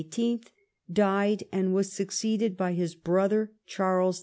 — died, and was succeeded by his brother, Charles X.